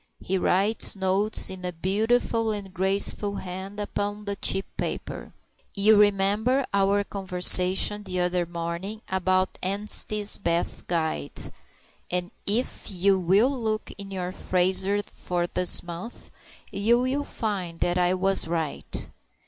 He writes notes in a beautiful and graceful hand upon very cheap paper. "You remember our conversation the other morning about 'Anstey's Bath Guide'; and if you will look in your Fraser for this month, you will find that I was right."